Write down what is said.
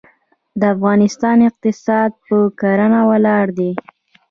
د افغانستان اقتصاد په کرنه ولاړ دی.